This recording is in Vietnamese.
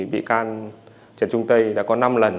bị can trần trung tây đã có năm lần